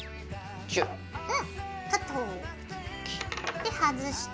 で外して。